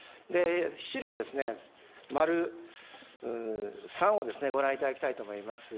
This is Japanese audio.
資料、まる３をご覧いただきたいと思います。